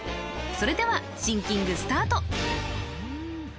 それではシンキングスタート